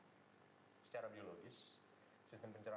mungkin maunya punya reserve gitu ya punya cadangan yang cukup